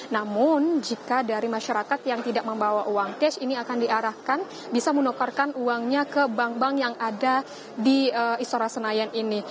namun jika dari masyarakat yang tidak membawa uang cash ini akan diarahkan bisa menukarkan uangnya ke bank bank yang ada di istora senayan ini